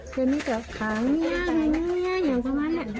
ใครมีเจ้าข้างเนี่ยใครมีเนี่ยอย่างประมาณเนี่ย